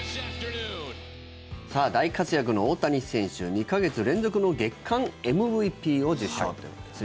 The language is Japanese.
大活躍の大谷選手２か月連続の月間ＭＶＰを受賞ということです。